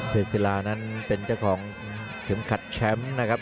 ศิลานั้นเป็นเจ้าของเข็มขัดแชมป์นะครับ